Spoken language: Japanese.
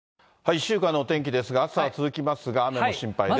１週間のお天気ですが、暑さは続きますが、雨が心配です。